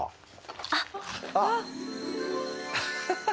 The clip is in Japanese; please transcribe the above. あっ！